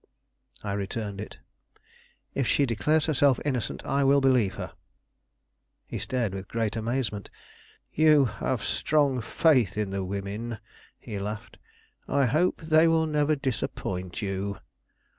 I returned it. "If she declares herself innocent, I will believe her." He stared with great amazement. "You have strong faith in the women," he laughed. "I hope they will never disappoint you."